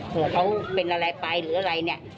เผื่อเขาเป็นอะไรไปหรืออะไรเนี่ย